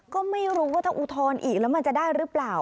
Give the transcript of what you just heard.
ก็ไม่รู้ว่าถ้าอุทธรณ์อีกแล้วมันจะได้หรือเปล่า